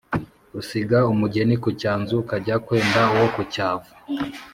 Usiga umugeni ku cyanzu ukajya kwenda uwo ku cyavu.